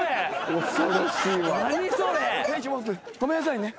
ごめんなさいね。